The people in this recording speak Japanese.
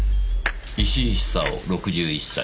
石井久雄６１歳。